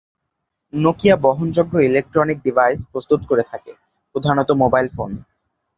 Nokia বহনযোগ্য electronic device প্রস্তুত করে থাকে, প্রধানত মোবাইল ফোন।